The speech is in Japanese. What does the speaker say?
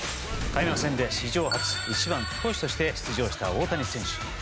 開幕戦で史上初１番投手として出場した大谷選手。